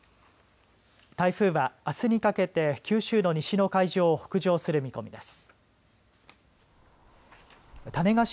台風はあすにかけて九州の西の海上を北上する見込みです。